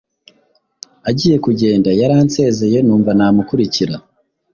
agiye kugenda yaransezeye numva namukurikira